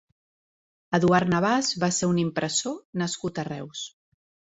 Eduard Navàs va ser un impressor nascut a Reus.